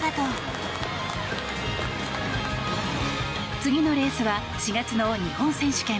次のレースは４月の日本選手権。